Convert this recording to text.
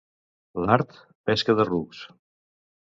L'art, pesca de rucs.